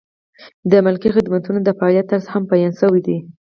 د ملکي خدمتونو د فعالیت طرز هم بیان شوی دی.